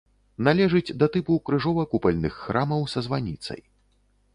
Належыць да тыпу крыжова-купальных храмаў са званіцай.